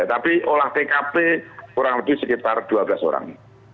tapi olah tkp kurang lebih sekitar dua belas orang